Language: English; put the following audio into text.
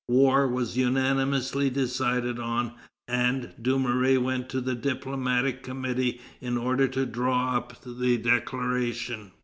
War was unanimously decided on, and Dumouriez went to the diplomatic committee in order to draw up the declaration.